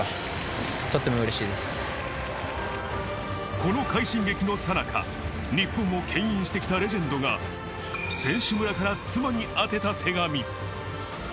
この快進撃のさなか、日本を牽引してきたレジェンドが選手村から妻に宛てた手紙。